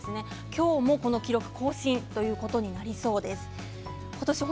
今日も、この記録更新ということになりそうです。